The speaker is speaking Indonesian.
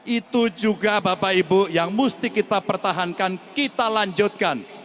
itu juga bapak ibu yang mesti kita pertahankan kita lanjutkan